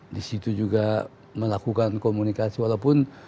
di situ juga melakukan komunikasi walaupun